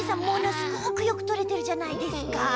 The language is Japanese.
ものすごくよくとれてるじゃないですか。